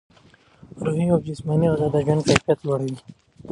روحي او جسماني غذا د ژوند کیفیت لوړوي.